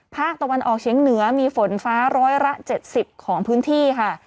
ภาคตะวันออกเฉียงเหนือมีฝนฟ้าร้อยละ๗๐ของพื้นที่ค่ะ